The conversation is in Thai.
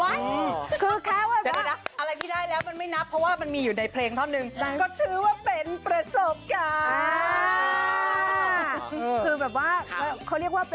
อะไรที่ได้แล้วไม่นับเพราะว่ามันมีอยู่ในเพลงเท่านึงก็ถือว่าเป็นประสบกา